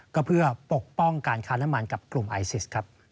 ก็เพื่อปกป้องการค้าน้ำมันกับกลุ่มไอซิสครับ